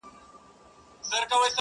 زنګ وهلی د خوشال د توري شرنګ یم ـ